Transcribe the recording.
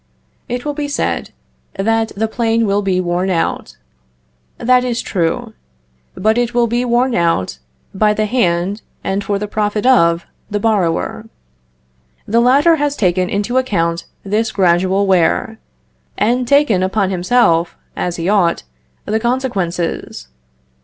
It will be said, that the plane will be worn out. That is true; but it will be worn out by the hand and for the profit of the borrower. The latter has taken into account this gradual wear, and taken upon himself, as he ought, the consequences.